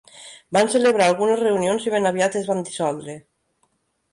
Van celebrar algunes reunions i ben aviat es van dissoldre.